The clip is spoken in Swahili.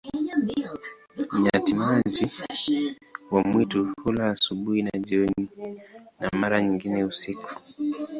Nyati-maji wa mwitu hula asubuhi na jioni, na mara nyingine usiku.